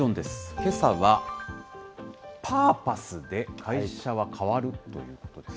けさはパーパスで会社は変わる？ということです。